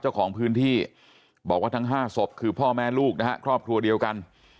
เจ้าของพื้นที่บอกว่าทั้ง๕ศพคือพ่อแม่ลูกนะฮะครอบครัวเดียวกัน